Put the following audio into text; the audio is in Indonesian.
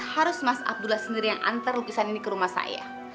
harus mas abdullah sendiri yang antar lukisan ini ke rumah saya